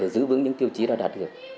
giữ vững những tiêu chí đã đạt được